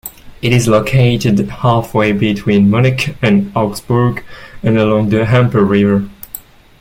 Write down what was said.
It is located halfway between Munich and Augsburg, and along the Amper river.